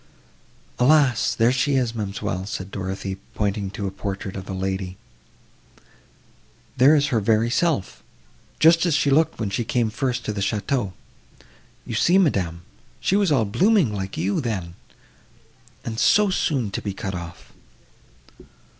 "Alas! there she is, ma'amselle," said Dorothée, pointing to a portrait of a lady, "there is her very self! just as she looked when she came first to the château. You see, madam, she was all blooming like you, then—and so soon to be cut off!"